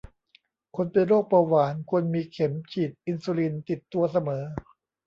คนเป็นโรคเบาหวานควรมีเข็มฉีดอินซูลินติดตัวเสมอ